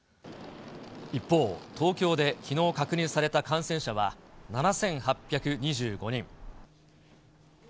一方、東京できのう確認された感染者は、７８２５人。